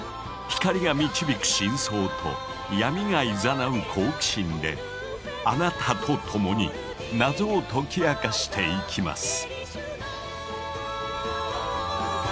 光が導く真相と闇がいざなう好奇心であなたと共に謎を解き明かしていきます。